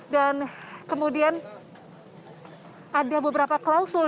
dan kemudian ada beberapa klausul